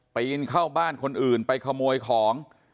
ปีนเข้าบ้านคนอื่นไปขโมยของ